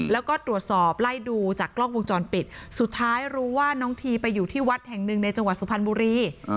แล้วก็ตรวจสอบไล่ดูจากกล้องวงจรปิดสุดท้ายรู้ว่าน้องทีไปอยู่ที่วัดแห่งหนึ่งในจังหวัดสุพรรณบุรี